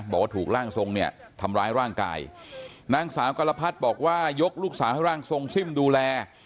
บอกว่าถูกร่างทรงเนี่ยทำร้ายร่างกายนางสาวกรพัดบอกว่ายกลูกสาวให้ร่างทรงซิ่มดูแล